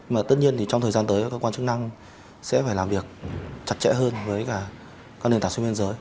mà tất nhiên thì trong thời gian tới các quan chức năng sẽ phải làm việc chặt chẽ hơn với cả các nền tảng xuyên biên giới